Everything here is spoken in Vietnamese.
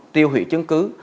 tiêu hủy chứng cứ